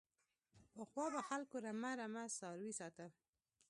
پخوا به خلکو رمه رمه څاروي ساتل.